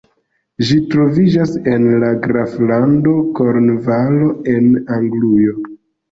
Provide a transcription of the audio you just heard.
Ĝi troviĝas en la graflando Kornvalo en Anglujo.